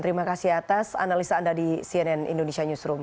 terima kasih atas analisa anda di cnn indonesia newsroom